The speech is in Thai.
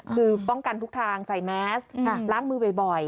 คือป้องกันทุกทางใส่แมสล้างมือบ่อย